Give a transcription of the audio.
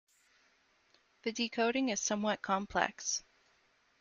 The decoding is somewhat complex.